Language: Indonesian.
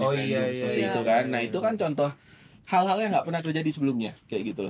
oh iya seperti itu kan nah itu kan contoh hal hal yang nggak pernah terjadi sebelumnya kayak gitu